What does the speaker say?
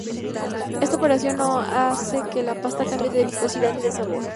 Esta operación no hace que la pasta cambie de viscosidad ni de sabor.